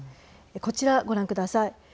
こちら、ご覧ください。